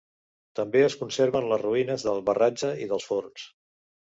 També es conserven les ruïnes del Barratge i dels Forns.